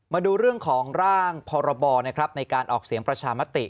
มาดูเรื่องของร่างพรบนะครับในการออกเสียงประชามติ